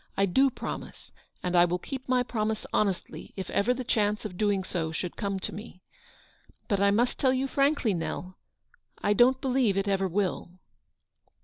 " I do promise, and I will keep my promise honestly if ever the chance of doing so should come to me. But I must tell you frankly, Nell, I don't believe it ever will."